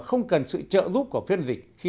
không cần sự trợ giúp của phiên dịch khi